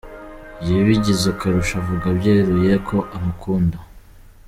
yabigize akarusho avuga byeruye ko ‘amukunda’.